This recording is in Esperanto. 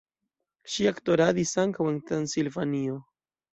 Ŝi aktoradis ankaŭ en Transilvanio.